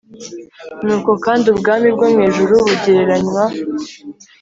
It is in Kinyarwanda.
Nuko kandi ubwami bwo mu ijuru bugereranywa